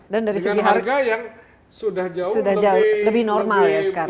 dan dari segi harga yang sudah jauh lebih normal